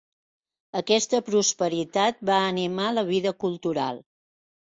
Aquesta prosperitat va animar la vida cultural.